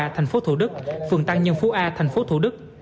tp thủ đức phường tăng nhân phú a tp thủ đức